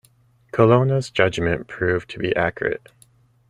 Colonna's judgement proved to be accurate.